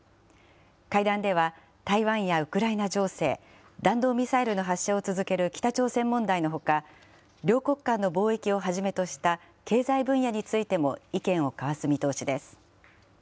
会談では、台湾やウクライナ情勢、弾道ミサイルの発射を続ける北朝鮮問題のほか、両国間の貿易をはじめとした、経済分野についても意見を交わす見通しです。